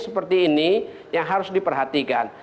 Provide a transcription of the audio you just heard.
seperti ini yang harus diperhatikan